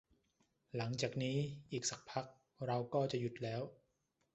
หลังจากนี้อีกสักพักเราก็จะหยุดแล้ว